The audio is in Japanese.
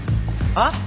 あっ？